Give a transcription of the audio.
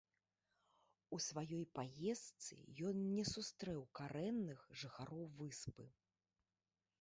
У сваёй паездцы ён не сустрэў карэнных жыхароў выспы.